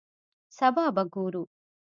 سبا به ګورو